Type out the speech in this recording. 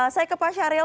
saya ke pak syahril